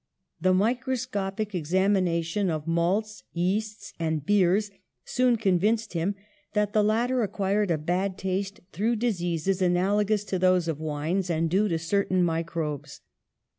The mi croscopic examination of malts, yeasts and beers soon convinced him that the latter ac quired a bad taste through diseases analogous to those of wines, and due to certain microbes.